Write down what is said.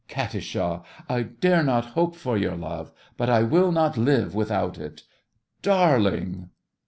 Katisha, I dare not hope for your love—but I will not live without it! Darling!